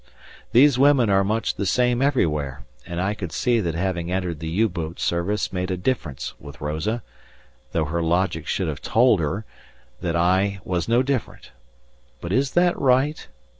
These women are much the same everywhere, and I could see that having entered the U boat service made a difference with Rosa, though her logic should have told her that I was no different. But is that right?